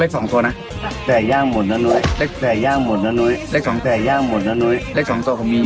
เลขแสย่ย่างหมดแล้วน้อย